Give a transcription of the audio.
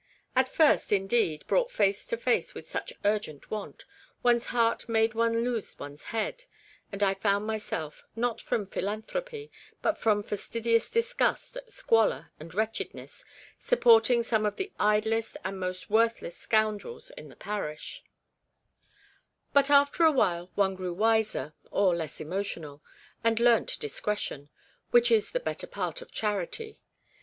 At first, indeed, brought face to face with such urgent want, one's heart made one lose one's head, and I found myself, not from philanthropy, but from fastidious disgust at squalor and wretchedness, supporting some of the idlest and most worth less scoundrels in the parish ; but after a while one grew wiser or less emotional, and learnt discretion, which is the better part of charity.